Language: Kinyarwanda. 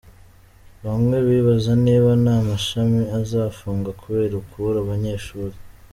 Bamwe bibaza niba nta mashami azafunga kubera kubura abanyeshuri.